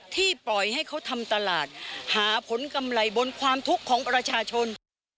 ปล่อยให้เขาทำตลาดหาผลกำไรบนความทุกข์ของประชาชน